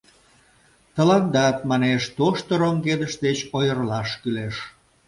Тыландат, манеш, тошто роҥгедыш деч ойырлаш кӱлеш.